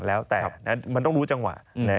แล้วแต่มันต้องรู้จังหวะ